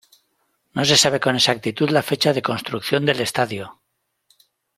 No se sabe con exactitud la fecha de construcción del estadio.